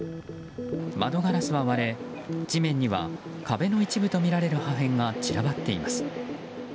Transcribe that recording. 窓ガラスは割れ地面には壁の一部とみられる破片が散らばっています。